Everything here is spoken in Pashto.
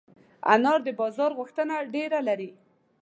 انار د بازار غوښتنه ډېره لري.